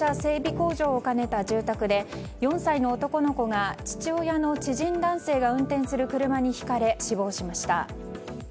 工場を兼ねた住宅で４歳の男の子が父親の知人男性が運転する車にひかれ死亡しました。